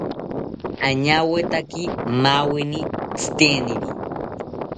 Añawetaki maaweni tziteniri